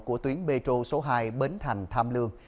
của tuyến petro số hai bến thành tham lương